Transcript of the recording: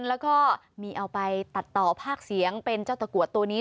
แล้วก็มีเอาไปตัดต่อภาคเสียงเป็นเจ้าตะกรวดตัวนี้